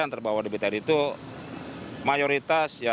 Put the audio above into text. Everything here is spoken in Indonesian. saya berpikir bahwa di btr itu mayoritas